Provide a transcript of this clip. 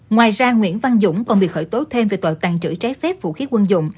ngoài ra nguyễn văn dũng còn bị khởi tố thêm về tội tàn trữ trái phép vũ khí quân dụng